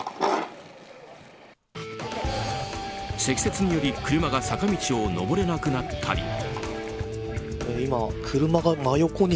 積雪により車が坂道を上れなくなったり。